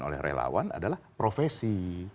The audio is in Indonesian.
oleh relawan adalah profesi